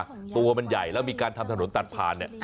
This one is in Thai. มันจะเกิดใจตัวมันใหญ่แล้วมีการทำถนนตัดผ่านเนี่ยอ่ะ